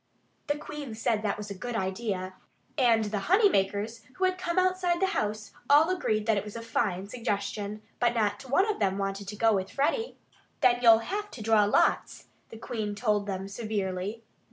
The Queen said that that was a good idea. And the honey makers, who had come outside the house, all agreed that it was a fine suggestion. But not one of them wanted to go with Freddie. "Then you'll have to draw lots," the Queen told them severely.